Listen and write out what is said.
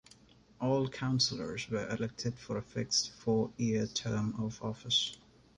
All Councillors were elected for a fixed four-year term of office.